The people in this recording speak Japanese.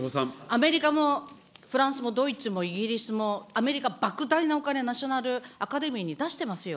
アメリカもフランスもドイツもイギリスもアメリカばく大なお金、ナショナルアカデミーに出してますよ。